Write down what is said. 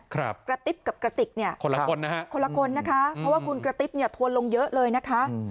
กระติ๊บกับกระติกเนี่ยคนละคนนะฮะคนละคนนะคะเพราะว่าคุณกระติ๊บเนี่ยทัวร์ลงเยอะเลยนะคะ